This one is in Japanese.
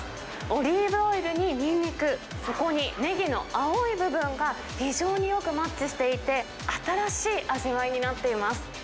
オリーブオイルににんにく、そこにねぎの青い部分が非常によくマッチしていて、新しい味わいになっています。